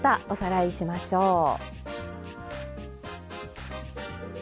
おさらいしましょう。